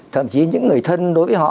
thậm chí những người thân đối với họ